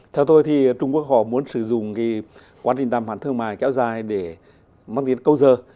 theo tôi thì trung quốc họ muốn sử dụng cái quá trình đàm hoạt thương mại kéo dài để mắc đến câu giờ